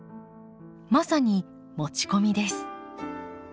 まさに持ち込みです。